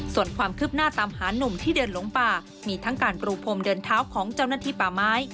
ส่วนความคืบหน้าตามหานุ่มที่เดินหลงป่ามีทั้งการปรูพรมเดินเท้าของเจ้าหน้าที่ป่าไม้